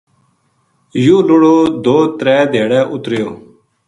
یوہ لُڑو دو یا ترے دھیاڑے اُت رہیو